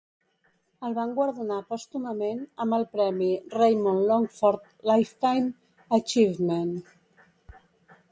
El van guardonar pòstumament amb el premi Raymond Longford Lifetime Achievement.